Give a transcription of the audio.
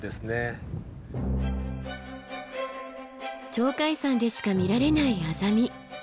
鳥海山でしか見られないアザミ。